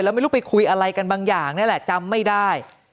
แล้วไม่รู้ไปคุยอะไรกันบางอย่างนี่แหละจำไม่ได้